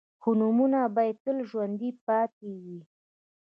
خو نومونه به يې تل ژوندي پاتې وي.